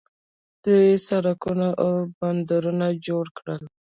دوی سړکونه او بندرونه جوړ کړل.